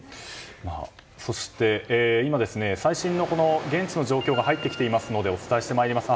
そして今、最新の現地の状況が入ってきていますのでお伝えしてまいります。